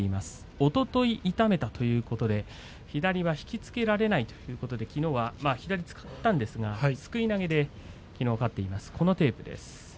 おととい痛めたということで左は引き付けられないということできのうは左を使いましたがすくい投げで勝ちました。